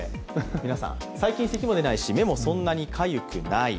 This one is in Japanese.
皆さん、最近、せきも出ないし、目もそんなにかゆくない。